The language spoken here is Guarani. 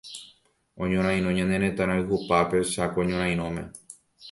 Oñorairõ ñane retã rayhupápe Chako ñorairõme.